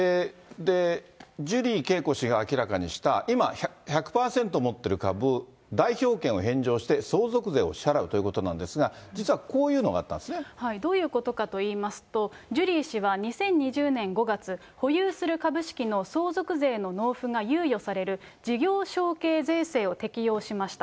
ジュリー景子氏が明らかにした、今、１００％持ってる株、代表権を返上して相続税を支払うということなんですが、実は、こどういうことかといいますと、ジュリー氏は２０２０年５月、保有する株式の相続税の納付が猶予される事業承継税制を適用しました。